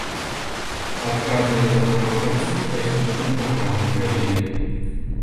Адказная за грамадзянскую касмічную праграму краіны.